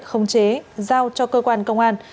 khống chế giao cho cơ quan công an